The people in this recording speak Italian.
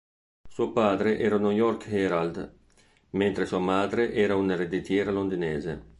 Suo padre era uno "York Herald", mentre sua madre era un'ereditiera londinese.